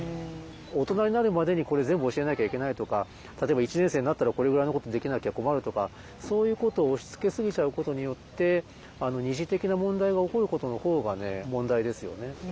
大人になるまでにこれ全部教えなきゃいけないとか例えば１年生になったらこれぐらいのことできなきゃ困るとかそういうことを押しつけ過ぎちゃうことによって二次的な問題が起こることのほうが問題ですよね。